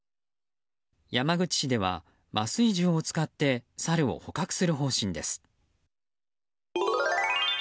山口市では麻酔銃を使ってサルを捕獲する方針です。